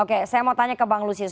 oke saya mau tanya ke bang lusius